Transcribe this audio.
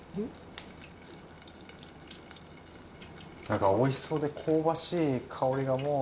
なんかおいしそうで香ばしい香りがもう。